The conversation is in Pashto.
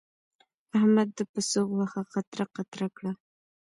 احمد د پسه غوښه قطره قطره کړه.